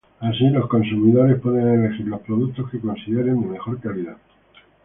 Así, los consumidores pueden elegir los productos que consideren de mejor calidad.